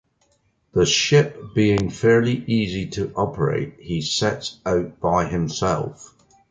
The ship being fairly easy to operate, he sets out by himself.